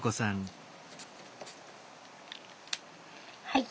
はい。